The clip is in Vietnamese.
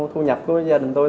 thu nhập của gia đình tôi